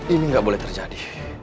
ini gak boleh terjadi